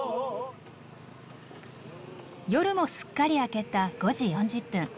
夜もすっかり明けた５時４０分。